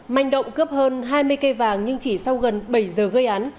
manh động cướp hơn hai mươi cây vàng nhưng chỉ sau gần bảy giờ gây án